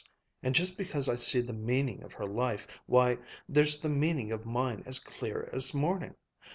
And just because I see the meaning of her life, why, there's the meaning of mine as clear as morning.